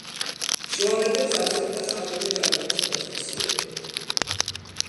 შუალედებს ავსებდა საველე ჯარების პოზიციები.